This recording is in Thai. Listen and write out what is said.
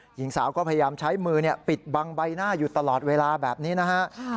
หญิงสาวก็พยายามใช้มือปิดบังใบหน้าอยู่ตลอดเวลาแบบนี้นะฮะ